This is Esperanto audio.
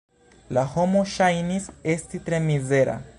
La homo ŝajnis esti tre mizera.